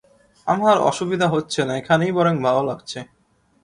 আমার অসুবিধা হচ্ছে না, এখানেই বরং ভালো লাগছে।